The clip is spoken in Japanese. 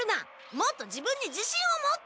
もっと自分に自信を持って！